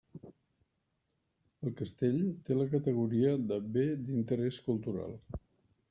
El castell té la categoria de Bé d'Interés Cultural.